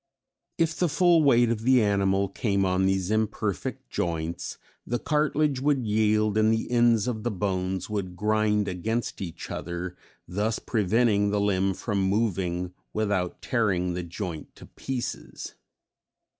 If the full weight of the animal came on these imperfect joints the cartilage would yield and the ends of the bones would grind against each other, thus preventing the limb from moving without tearing the joint to pieces.